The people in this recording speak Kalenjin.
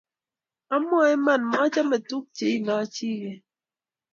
Amwaa iman, machome tukcheilochikei